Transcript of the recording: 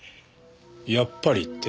「やっぱり」って？